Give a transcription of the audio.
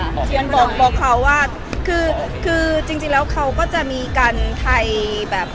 เทียนบอกเขาว่าคือคือจริงแล้วเขาก็จะมีการไทยแบบ